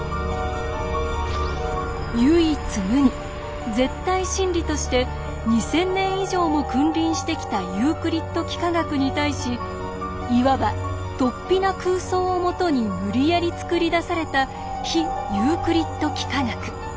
唯一無二絶対真理として２，０００年以上も君臨してきたユークリッド幾何学に対しいわばとっぴな空想を基に無理やり作り出された非ユークリッド幾何学。